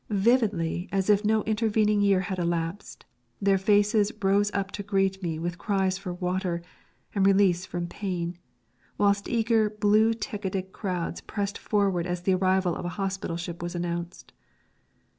Vividly, as if no intervening year had elapsed, their faces rose up to greet me with cries for water and release from pain, whilst eager blue ticketed crowds pressed forward as the arrival of a hospital ship was announced.